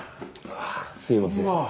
ああすいません。